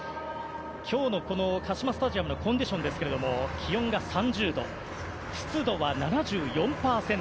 今日のこのカシマサッカースタジアムのコンディションですけれども気温が３０度、湿度は７４％。